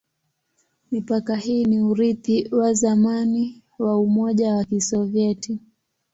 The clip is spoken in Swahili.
Mipaka hii ni urithi wa zamani za Umoja wa Kisovyeti.